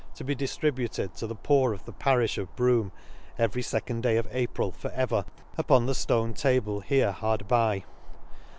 to be diflributed to the poor of the parifh of Brougham every u , 2d day of April for ever, upon the ftone u table here hard by.